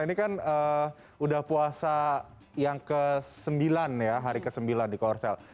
ini kan udah puasa yang ke sembilan ya hari ke sembilan di korsel